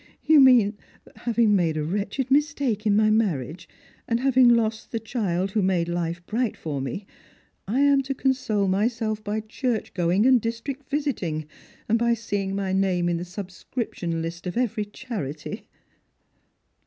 "You mean that having made a wretched mistake in my marriage, and having lost the child who made life bright fof me, I am to console myself by church going and district visiting, and by seeing my name in the subscription Hst of every charity."